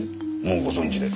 もうご存じで？